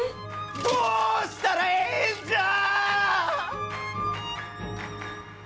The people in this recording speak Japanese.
どうしたらええんじゃあ！